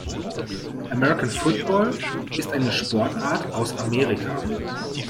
American Football ist eine Sportart aus Amerika.